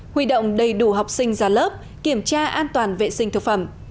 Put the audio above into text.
huy động đầy đủ học sinh ra lớp kiểm tra an toàn vệ sinh thực phẩm